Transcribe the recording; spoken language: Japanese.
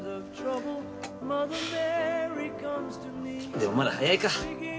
でもまだ早いか。